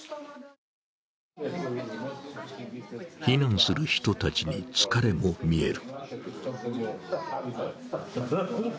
避難する人たちに疲れも見える。